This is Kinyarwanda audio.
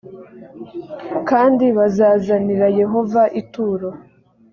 kandi bazazanira yehova ituro